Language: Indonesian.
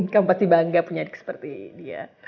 kamu pasti bangga punya adik seperti dia